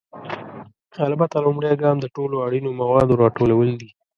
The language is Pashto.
البته، لومړی ګام د ټولو اړینو موادو راټولول دي.